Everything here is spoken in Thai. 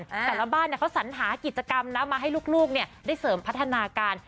แต่ละบ้านเขาสัญหากิจกรรมนะมาให้ลูกได้เสริมพัฒนาการ